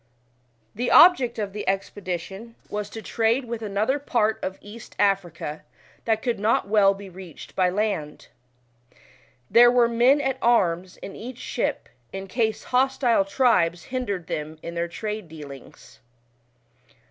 The object of the expedition was to trade with* 34 EXPEDITION TO SOMALILAND. another ].,art of East, Africa, that could not well be reached by land. There were men at arrr' in each ship, in case hostile tribes hindered them in their trade dealings.